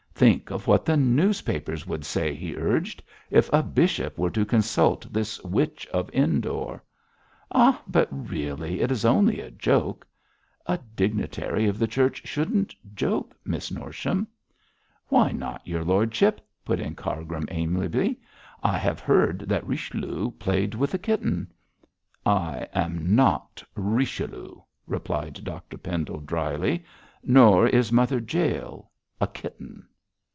'Think of what the newspapers would say,' he urged, 'if a bishop were to consult this Witch of Endor.' 'Oh, but really, it is only a joke!' 'A dignitary of the Church shouldn't joke, Miss Norsham.' 'Why not, your lordship?' put in Cargrim, amiably. 'I have heard that Richelieu played with a kitten.' 'I am not Richelieu,' replied Dr Pendle, drily, 'nor is Mother Jael a kitten.'